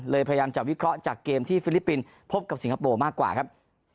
พยายามจะวิเคราะห์จากเกมที่ฟิลิปปินส์พบกับสิงคโปร์มากกว่าครับ